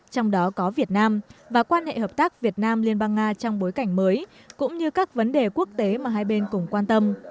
trong đó có việt nam và quan hệ hợp tác việt nam liên bang nga trong bối cảnh mới cũng như các vấn đề quốc tế mà hai bên cùng quan tâm